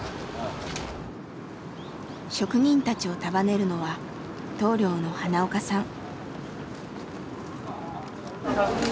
職人たちを束ねるのは棟梁の花岡さん。